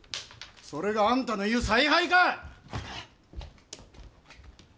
それがあんたの言う采配か！？